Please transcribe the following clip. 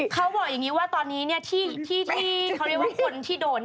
เขาบอกอย่างนี้ว่าตอนนี้ที่เขาเรียกว่าคนที่โดน